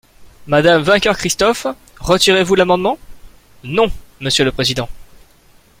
Madame Vainqueur-Christophe, retirez-vous l’amendement ? Non, monsieur le président.